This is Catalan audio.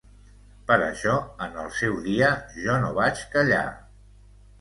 Per això, en el seu dia jo no vaig callar.